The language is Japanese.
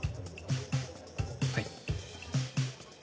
はい。